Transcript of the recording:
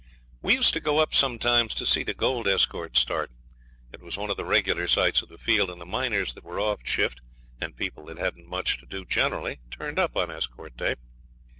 We used to go up sometimes to see the gold escort start. It was one of the regular sights of the field, and the miners that were off shift and people that hadn't much to do generally turned up on escort day.